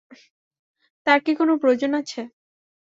তার কি কোনো প্রয়োজন আছে?